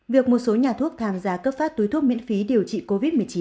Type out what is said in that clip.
việc một số nhà thuốc tham gia cấp phát túi thuốc miễn phí điều trị covid một mươi chín